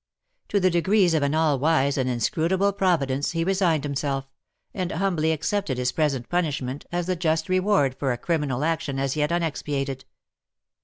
To the decrees of an all wise and inscrutable Providence he resigned himself, and humbly accepted his present punishment as the just reward for a criminal action as yet unexpiated.